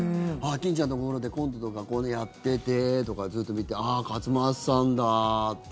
欽ちゃんのところでコントとかこういうのやっててとかずっと見てああ、勝俣さんだって。